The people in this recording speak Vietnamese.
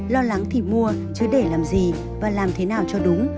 lo lắng thì mua chứ để làm gì và làm thế nào cho đúng